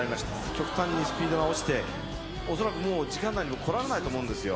極端にスピードが落ちて、恐らくもう、時間内には来られないと思うんですよ。